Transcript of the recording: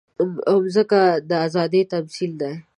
مځکه د ازادۍ تمثیل ده.